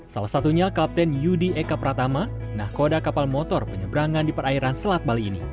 salah satunya kapten yudi eka pratama nahkoda kapal motor penyeberangan di perairan selat bali ini